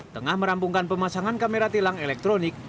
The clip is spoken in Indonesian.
tengah merampungkan pemasangan kamera tilang elektronik